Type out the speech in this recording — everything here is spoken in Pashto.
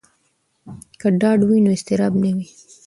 که ډاډ وي نو اضطراب نه وي.